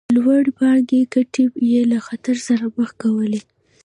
د لوړ پاړکي ګټې یې له خطر سره مخ کولې.